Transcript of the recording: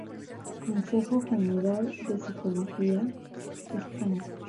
Consejo General de Psicología, España.